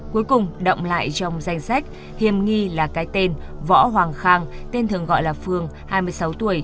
cuối cùng động lại trong danh sách hiền nghi là cái tên võ hoàng khang tên thường gọi là phương hai mươi sáu tuổi